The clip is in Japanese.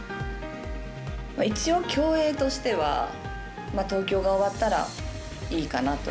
一応競泳としては東京が終わったらいいかなと。